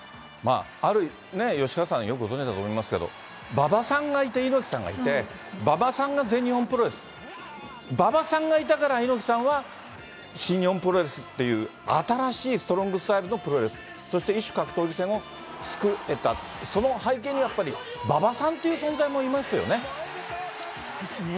ある、吉川さん、よくご存じだと思いますけれども、馬場さんがいて、猪木さんがいて、馬場さんが全日本プロレス、馬場さんがいたから、猪木さんは、新日本プロレスっていう新しいストロングスタイルのプロレス、そして異種格闘技戦を作れた、その背景にやっぱり馬場さんという存在もいますよね。ですね。